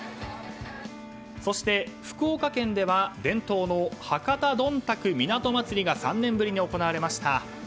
そして、福岡県では伝統の博多どんたく港まつりが３年ぶりに行われました。